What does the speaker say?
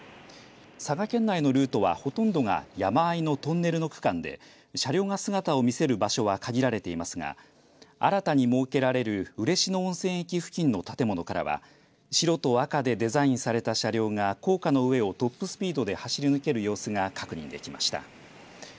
佐賀県内のルートは、ほとんどが山あいのトンネルの区間で車両が姿を見せる場所は限られていますが新たに設けられる嬉野温泉駅付近の建物からは白と赤でデザインされた車両が高架の上をトップスピードで走り抜ける様子が確認できました。